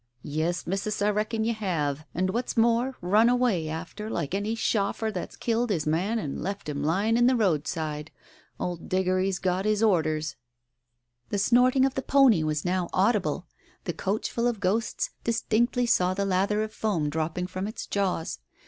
"Yes, Missus, I reckon you have, and what's more, run away after like any shoffer that's killed his man and left Digitized by Google 142 TALES OF THE UNEASY him lying in the roadside. Old Diggory's got his orders." The snorting of the pony was now audible. The coach* ful of ghosts distinctly saw the lather of foam dropping from its jaws.